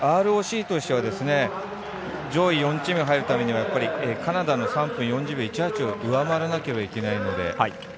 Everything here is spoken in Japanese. ＲＯＣとしては、上位４チームに入るためにはカナダの３分４０秒１８を上回らなければいけないので。